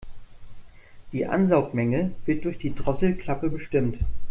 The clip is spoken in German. Die Ansaugmenge wird durch die Drosselklappe bestimmt.